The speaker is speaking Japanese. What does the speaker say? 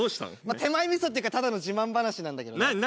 手前みそっていうかただの自慢話なんだけどね何何？